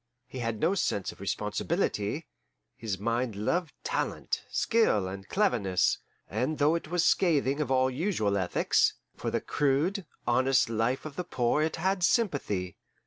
He had no sense of responsibility; his mind loved talent, skill, and cleverness, and though it was scathing of all usual ethics, for the crude, honest life of the poor it had sympathy.